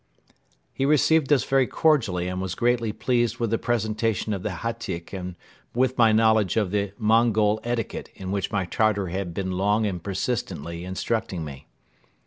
He received us very cordially and was greatly pleased with the presentation of the hatyk and with my knowledge of the Mongol etiquette in which my Tartar had been long and persistently instructing me.